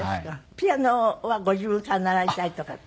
ピアノはご自分から習いたいとかって？